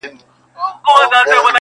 چي ښه، هلته دي شپه.